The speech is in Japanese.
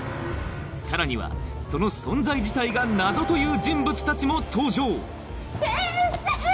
さらにはその存在自体が謎という人物たちも登場先生！